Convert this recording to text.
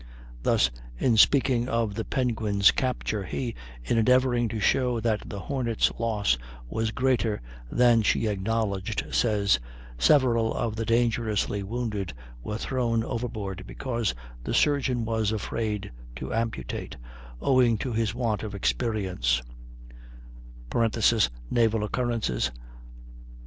Thus, in speaking of the Penguin's capture, he, in endeavoring to show that the Hornet's loss was greater than she acknowledged, says, "several of the dangerously wounded were thrown overboard because the surgeon was afraid to amputate, owing to his want of experience" ("Naval Occurrences," 492).